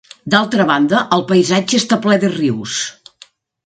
D'altra banda, el paisatge està ple de rius.